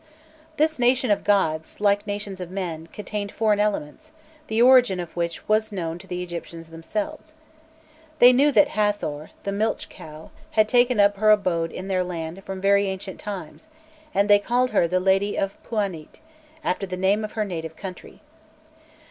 This nation of gods, like nations of men, contained foreign elements, the origin of which was known to the Egyptians themselves. They knew that Hâthor, the milch cow, had taken up her abode in their land from very ancient times, and they called her the Lady of Pûanît, after the name of her native country.